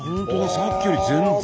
さっきより全然。